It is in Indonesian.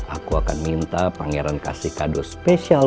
aku akan minta pangeran kasih kado spesial